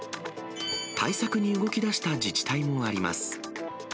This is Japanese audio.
対策に動きだした自治体もあります。